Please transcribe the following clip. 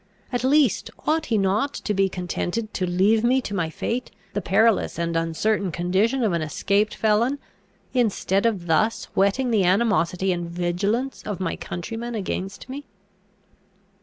At least, ought he not to be contented to leave me to my fate, the perilous and uncertain condition of an escaped felon, instead of thus whetting the animosity and vigilance of my countrymen against me?